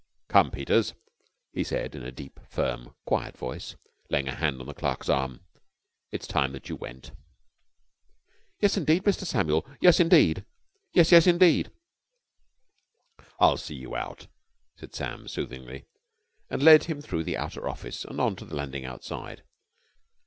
"Come, Peters," he said in a deep, firm, quiet voice, laying a hand on the clerk's arm. "It's time that you went." "Yes, indeed, Mr. Samuel! yes, yes, indeed!" "I'll see you out," said Sam soothingly, and led him through the outer office and on to the landing outside.